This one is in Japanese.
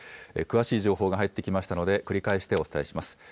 詳しい情報が入ってきましたので、繰り返してお伝えします。